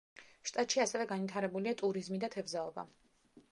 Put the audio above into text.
შტატში ასევე განვითარებულია ტურიზმი და თევზაობა.